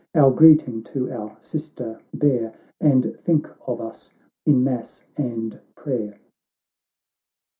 Our greeting to our sister bear, And think of us in mass and prayer."